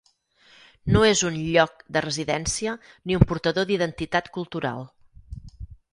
No és un "lloc" de residència ni un portador d'identitat cultural.